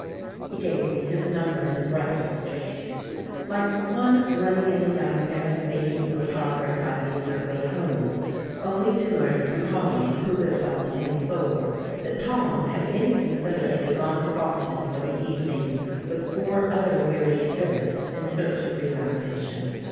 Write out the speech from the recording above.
He gave me his number in Brattle Street.... Like one running in a nightmare and making no progress I made my way home, only to learn from Hallam, who lived on the same floor, that Tom had inconsiderately gone to Boston for the evening, with four other weary spirits in search of relaxation!